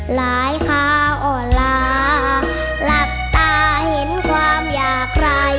หลายข่าวอ่อลาหลักตาเห็นความอยากไหล